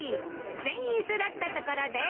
全員揃ったところで。